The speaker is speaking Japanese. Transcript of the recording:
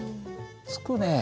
つくね。